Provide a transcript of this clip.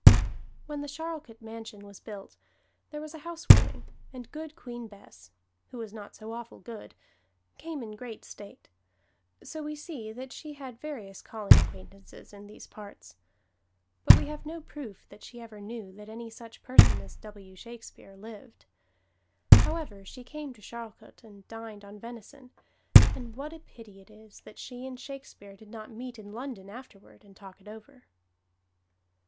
When the Charlcote Mansion was built, there was a housewarming, and Good Queen Bess (who was not so awful good) came in great state; so we see that she had various calling acquaintances in these parts. But we have no proof that she ever knew that any such person as W. Shakespeare lived. However, she came to Charlcote and dined on venison, and what a pity it is that she and Shakespeare did not meet in London afterward and talk it over!